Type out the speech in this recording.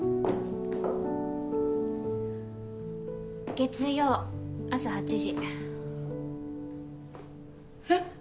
月曜朝８時えっ？